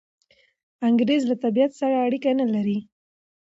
انګریز له طبیعت سره اړیکه نلري.